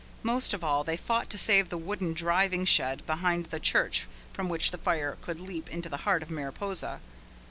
Most of all they fought to save the wooden driving shed behind the church from which the fire could leap into the heart of Mariposa.